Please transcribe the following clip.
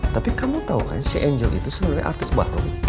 tapi kamu tau kan si angel itu sebenernya artis batu